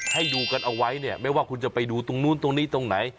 ให้ดูกันเอาไว้เนี่ยไม่ว่าคุณจะไปดูตรงนู้นตรงนี้ตรงไหน